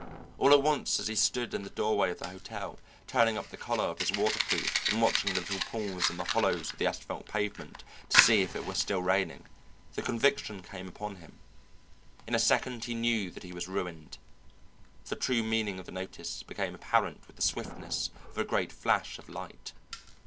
All at once as he stood in the doorway of the hotel, turning up the collar of his waterproof and watching the little pools in the hollows of the asphalt pavement to see if it were still raining, the conviction came upon him. In a second he knew that he was ruined. The true meaning of the notice became apparent with the swiftness of a great flash of light.